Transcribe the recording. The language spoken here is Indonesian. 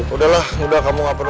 udah lah udah kamu gak perlu